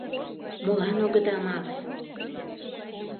— Молан огыда мале?